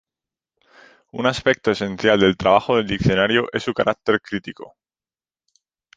Un aspecto esencial del trabajo del diccionario es su carácter crítico.